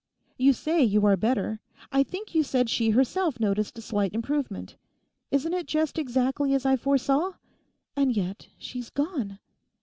You say you are better. I think you said she herself noticed a slight improvement. Isn't it just exactly as I foresaw? And yet she's gone!